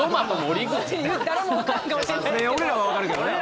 俺らは分かるけどね